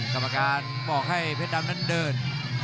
กรรมการบอกให้เพชรดำนั้นเดิน